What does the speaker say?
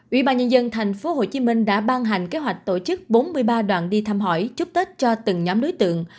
ủy ban nhân dân tp hcm đã ban hành kế hoạch tổ chức bốn mươi ba đoàn đi thăm hỏi chúc tết cho từng nhóm đối tượng